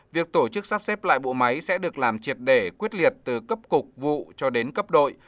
việc tổ chức sắp xếp lại bộ máy sẽ được làm triệt để quyết liệt từ cấp cục vụ cho đến cấp đội